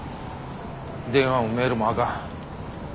電話もメールもあかん。